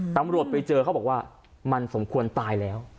ตำรวจไปเจอเขาบอกว่ามันสมควรตายแล้ว